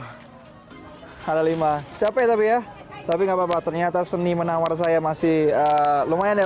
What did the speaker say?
ada lima capek tapi ya tapi nggak apa apa ternyata seni menawar saya masih lumayan ya